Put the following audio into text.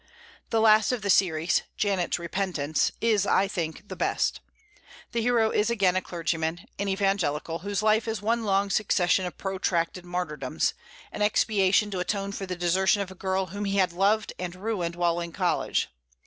The last of the series, "Janet's Repentance," is, I think, the best. The hero is again a clergyman, an evangelical, whose life is one long succession of protracted martyrdoms, an expiation to atone for the desertion of a girl whom he had loved and ruined while in college.